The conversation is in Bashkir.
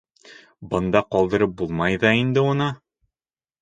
Бында ҡалдырып булмай ҙа инде уны?